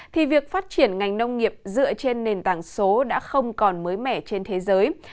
thì việc phát triển ngành nông nghiệp dựa trên nền tảng số đã không còn mới mẻ trên thế giới